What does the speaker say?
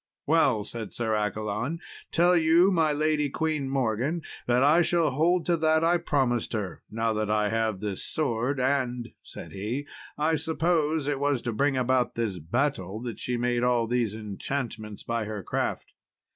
"Well," said Sir Accolon, "tell you my lady Queen Morgan, that I shall hold to that I promised her, now that I have this sword and," said he, "I suppose it was to bring about this battle that she made all these enchantments by her craft."